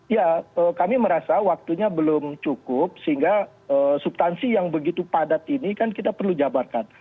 ya kami merasa waktunya belum cukup sehingga subtansi yang begitu padat ini kan kita perlu jabarkan